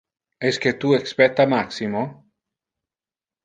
Esque tu expecta Maximo?